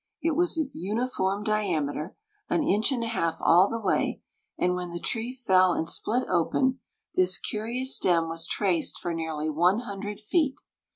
It was of uniform diameter, an inch and a half all the way; and when the tree fell and split open, this curious stem was traced for nearly 100 feet.